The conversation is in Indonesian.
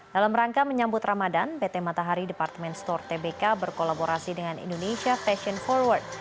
dalam rangka menyambut ramadan pt matahari departemen store tbk berkolaborasi dengan indonesia fashion forward